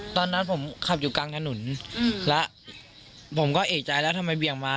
ตอนนั้นผมขับอยู่กลางถนนแล้วผมก็เอกใจแล้วทำไมเบี่ยงมา